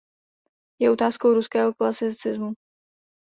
Je ukázkou ruského klasicismu.